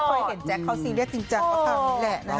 ไม่เคยเห็นแจ็คเขาซีรียสจริงจังก็ความแหละนะครับ